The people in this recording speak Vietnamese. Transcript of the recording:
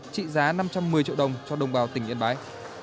trị giá năm trăm một mươi triệu đồng cho đồng bào tỉnh yên bái